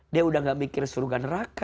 dia sudah tidak mikir surga neraka